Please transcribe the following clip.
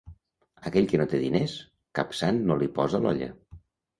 Aquell que no té diners, cap sant no li posa l’olla.